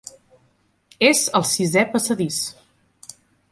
És al sisè passadís.